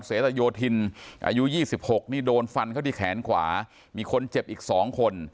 เศรษฐโยธินอายุ๒๖นี่โดนฟันเข้าที่แขนขวามีคนเจ็บอีก๒คน